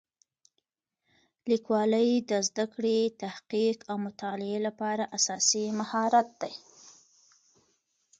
لیکوالی د زده کړې، تحقیق او مطالعې لپاره اساسي مهارت دی.